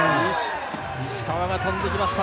石川が跳んできました。